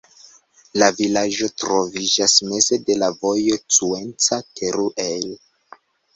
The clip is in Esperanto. La vilaĝo troviĝas meze de la vojo Cuenca-Teruel.